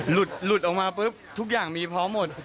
หลุดออกมาปุ๊บทุกอย่างมีพร้อมหมด